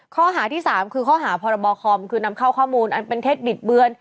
ข้อหาที่๓คือข้อหาพรบคอมคือนำเข้าข้อมูลอันเป็นเท็จบิดเบือน